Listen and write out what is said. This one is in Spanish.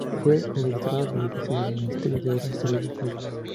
Fue desde la terraza del edificio del Ministerio de Obras y Servicios Públicos.